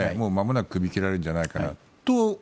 まもなくクビが切られるんじゃないかと。